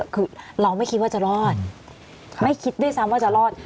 คือเราไม่คิดว่าจะรอดไม่คิดด้วยซ้ำว่าจะรอด